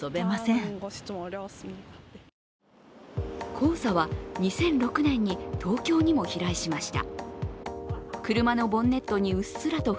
黄砂は２００６年に東京にも飛来しました。